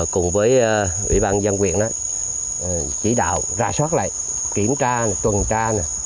cùng với ủy ban dân quyền chỉ đạo ra soát lại kiểm tra tuần tra